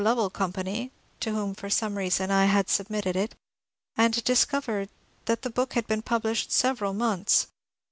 Lovell Company, — to whom for some reason I had submitted it, — and discovered that the book had been published several months.